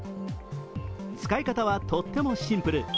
使い方はとてもシンプル。